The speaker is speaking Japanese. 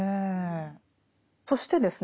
そしてですね